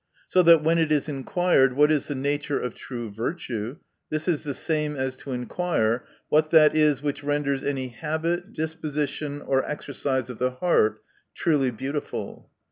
So that when it is inquired, What is the nature of true virtue ?— this is the same as to inquire, what that is wdiich renders any habit, disposition, or ex ercise of the heart truly beautiful.